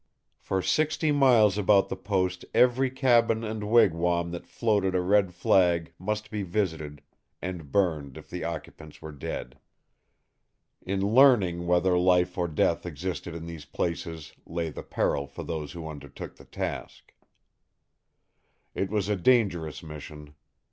For sixty miles about the post every cabin and wigwam that floated a red flag must be visited and burned if the occupants were dead. In learning whether life or death existed in these places lay the peril for those who undertook the task. It was a dangerous mission.